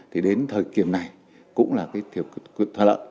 thì đến thời kiểm này cũng là cái thiệu thỏa lợi